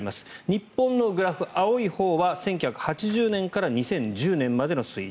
日本のグラフ、青いほうは１９８０年から２０１０年までの推移